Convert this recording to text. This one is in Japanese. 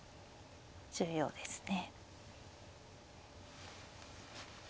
重要ですね。